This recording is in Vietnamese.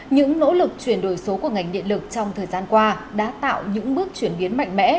những nỗ lực chuyển đổi số của ngành điện lực trong thời gian qua đã tạo những bước chuyển biến mạnh mẽ